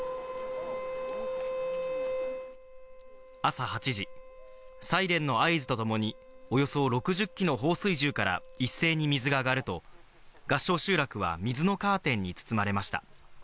朝８時、サイレンの合図とともにおよそ６０基の放水銃から一斉に水が上がると、合掌集落は水のカーテンに包まれました。